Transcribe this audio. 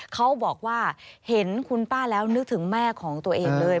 เขาบอกว่าเห็นคุณป้าแล้วนึกถึงแม่ของตัวเองเลย